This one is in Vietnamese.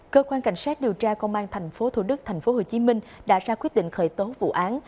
cơ quan cảnh sát điều tra công an tp thủ đức tp hcm đã ra quyết định khởi tố vụ án